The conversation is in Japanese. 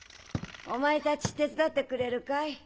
お前たち手伝ってくれるかい？